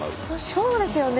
そうですよね！